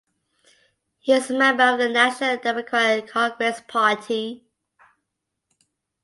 He is member of the National Democratic Congress Party.